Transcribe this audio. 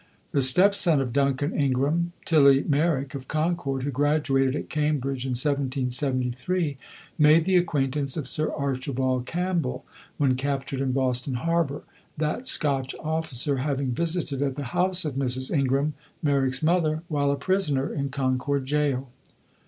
The stepson of Duncan Ingraham, Tilly Merrick, of Concord, who graduated at Cambridge in 1773, made the acquaintance of Sir Archibald Campbell, when captured in Boston Harbor, that Scotch officer having visited at the house of Mrs. Ingraham, Merrick's mother, while a prisoner in Concord Jail.